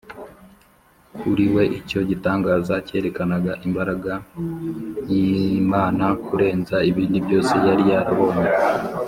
kuri we, icyo gitangaza cyerekanaga imbaraga y’imana kurenza ibindi byose yari yarabonye